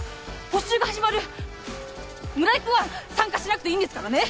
補習が始まる村井君は参加しなくていいんですからね！